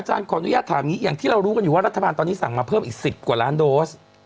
ขออนุญาตถามอย่างนี้อย่างที่เรารู้กันอยู่ว่ารัฐบาลตอนนี้สั่งมาเพิ่มอีก๑๐กว่าล้านโดส